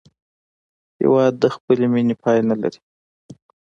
هېواد د خپلې مینې پای نه لري.